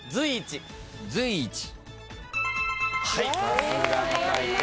さすが向井君。